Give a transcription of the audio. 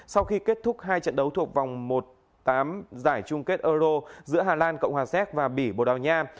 sau khi kết thúc hai trận đấu thuộc vòng tám giải chung kết euro giữa hà lan cộng hòa séc và bỉ bồ đào nha